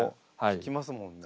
聞きますもんね。